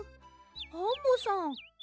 アンモさん。